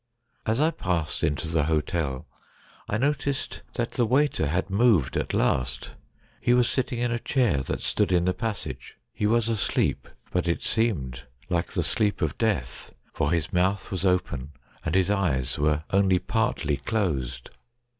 As I passed into the hotel I noticed that the waiter had moved at last ; he was sitting in a chair that stood in the pas sage. He was asleep, but it seemed like the sleep of death, for his mouth was open, and his eyes were only partly closed.